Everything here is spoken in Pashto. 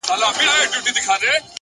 ساده ژوند د زړه سکون راولي.